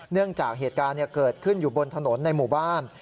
เนื่องจากเหตุการณ์เกิดขึ้นอยู่บนถนนในหมู่บ้าน